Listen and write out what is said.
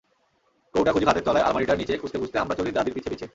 কৌটা খুঁজি খাটের তলায়, আলমারিটার নিচে, খুঁজতে খুঁজতে আমরা চলি দাদির পিছে পিছে।